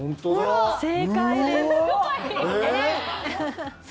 正解です。